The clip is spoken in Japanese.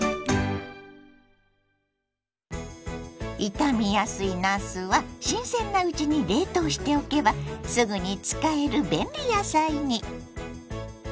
傷みやすいなすは新鮮なうちに冷凍しておけばすぐに使える便利野菜に。